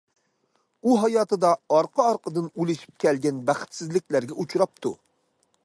ئۇ ھاياتىدا ئارقا- ئارقىدىن ئۇلىشىپ كەلگەن بەختسىزلىكلەرگە ئۇچراپتۇ.